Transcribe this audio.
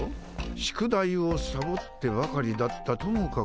宿題をサボってばかりだったとも書かれておる。